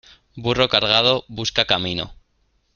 Burro cargado, busca camino.